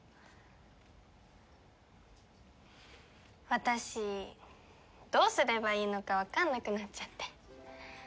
私どうすればいいのかわかんなくなっちゃって。